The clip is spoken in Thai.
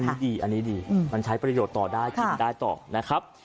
อันนี้ดีอันนี้ดีมันใช้ประโยชน์ต่อได้กินได้ต่อนะครับ